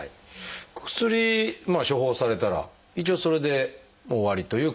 薬処方されたら一応それでもう終わりという感じですか？